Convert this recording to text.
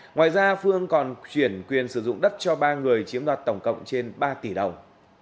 ngoài ra phương còn chuyển quyền sử dụng đất cho ba người chiếm đoạt tổng cộng trên ba tỷ đồng